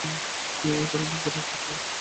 এ কারণে পরের কাজে পরিশ্রম বেশি করতে হয়।